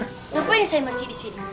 kenapa ini saya masih disini